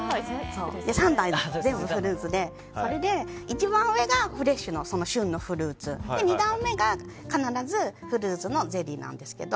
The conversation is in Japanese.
３段全部フルーツで一番上がフレッシュな旬のフルーツ、２段目が必ずフルーツのゼリーなんですが。